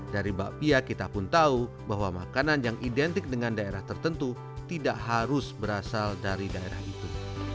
dari bakpia kita pun tahu bahwa makanan yang identik dengan daerah tertentu tidak harus berasal dari daerah itu